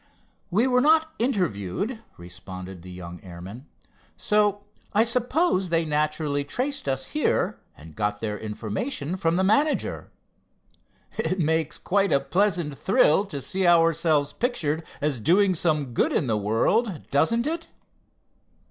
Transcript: "We were not interviewed," responded the young airman, "so I suppose they naturally traced us here, and got their information from the manager. It makes quite a pleasant thrill, to see ourselves pictured as doing some good in the world; doesn't it?"